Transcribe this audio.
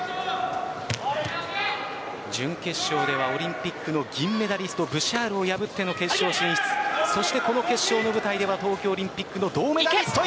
準決勝ではオリンピックの銀メダリスト、ブシャールを破っての決勝進出そしてこの決勝の舞台では東京オリンピックの銅メダリストと。